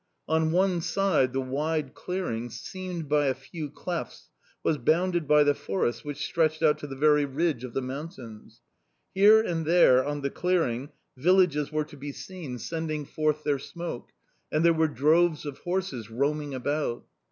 On one side, the wide clearing, seamed by a few clefts, was bounded by the forest which stretched out to the very ridge of the mountains. Here and there, on the clearing, villages were to be seen sending forth their smoke, and there were droves of horses roaming about.